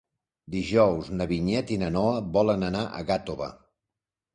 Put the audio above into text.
Dijous na Vinyet i na Noa volen anar a Gàtova.